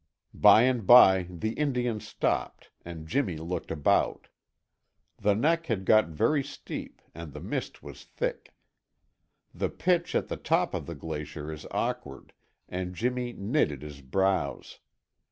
By and by the Indian stopped and Jimmy looked about. The neck had got very steep and the mist was thick. The pitch at the top of the glacier is awkward and Jimmy knitted his brows.